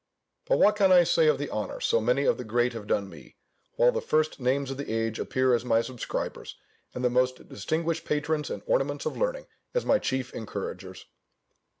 But what can I say of the honour so many of the great have done me; while the first names of the age appear as my subscribers, and the most distinguished patrons and ornaments of learning as my chief encouragers?